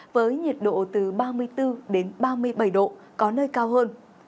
với nhiệt độ từ ba mươi bốn đến ba mươi bảy độ có nơi cao hơn